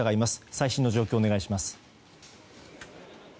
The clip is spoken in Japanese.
最新の状況をお願いします。